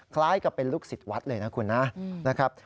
คล้ายกับเป็นลูกศิษย์วัดเลยนะคุณนะนะครับ